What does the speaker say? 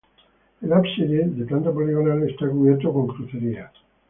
El ábside, de planta poligonal está cubierto con crucería.